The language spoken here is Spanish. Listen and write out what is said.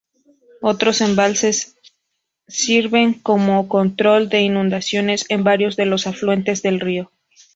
Otros embalses sirven como control de inundaciones en varios de los afluentes del río.